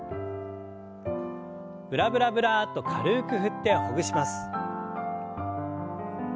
ブラブラブラッと軽く振ってほぐします。